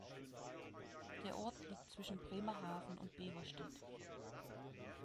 Der Ort liegt zwischen Bremerhaven und Beverstedt.